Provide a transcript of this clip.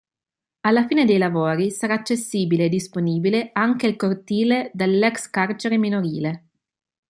Alla fine dei lavori sarà accessibile e disponibile anche il cortile dell'ex carcere minorile.